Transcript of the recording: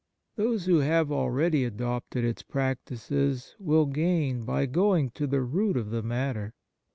Those who have already adopted its practices will gain by going to the root of the matter.